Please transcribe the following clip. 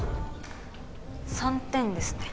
３点ですね。